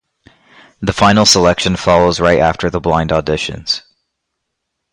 The Final selection follows right after the blind auditions.